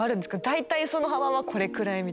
大体その幅はこれくらいみたいな。